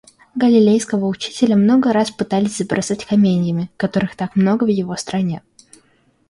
Галилейского учителя много раз пытались забросать каменьями, которых так много в его стране.